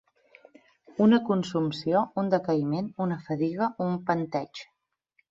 Una consumpció, un decaïment, una fadiga, un panteig.